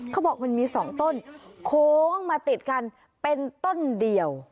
เขาบอกมันมี๒ต้นโค้งมาติดกันเป็นต้นเดียว